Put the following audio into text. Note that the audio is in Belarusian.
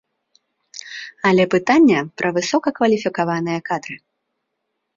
Але пытанне пра высокакваліфікаваныя кадры.